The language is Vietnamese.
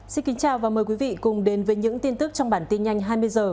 xin kính chào và mời quý vị cùng đến với những tin tức trong bản tin nhanh hai mươi h